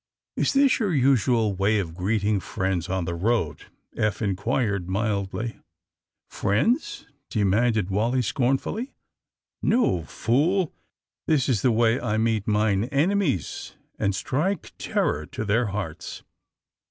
^^Is this your usual way of greeting friends on the road?" Eph inquired mildly. ^^ Friends?" demanded Wally scornfully, *^No, fool! This is the way I meet mine ene mies and strike terror to their hearts.